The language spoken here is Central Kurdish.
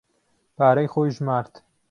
پارەی خۆی ژمارد.